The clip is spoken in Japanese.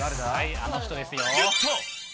あの人ですよ。